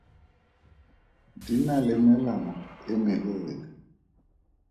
Di na le melala e meleele.